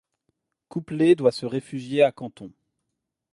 Couplet doit se réfugier à Canton.